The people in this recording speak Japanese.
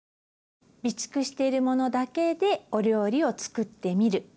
備蓄しているものだけでお料理を作ってみる。